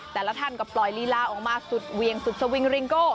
แต่ละท่านก็ปล่อยลีลาออกมาสุดเวียงสุดสวิงริงโก้